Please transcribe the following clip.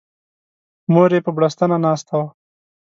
مور یې په بړستنه ناسته وه.